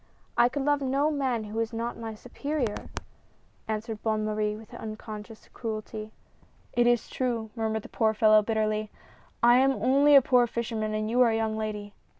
" "I could love no man who was not my superior!" answered Bonne Marie with unconscious cruelty. "It is true," murmured the poor fellow bitterly, A FIS IT SUPPER. 33 "I am only a poor fisherman and you are a young lady."